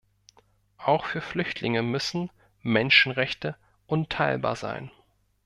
Auch für Flüchtlinge müssen Menschenrechte unteilbar sein.